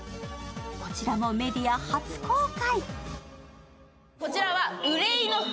こちらもメディア初公開。